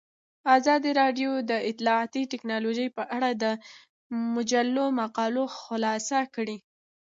ازادي راډیو د اطلاعاتی تکنالوژي په اړه د مجلو مقالو خلاصه کړې.